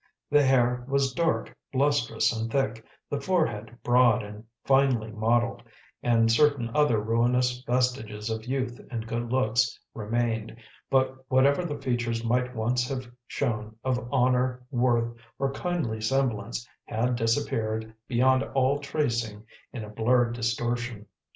The hair was dark, lustrous and thick, the forehead broad and finely modelled, and certain other ruinous vestiges of youth and good looks remained; but whatever the features might once have shown of honour, worth, or kindly semblance had disappeared beyond all tracing in a blurred distortion.